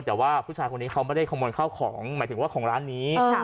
แต่ว่าผู้ชายคนนี้เขาไม่ได้ขโมยข้าวของหมายถึงว่าของร้านนี้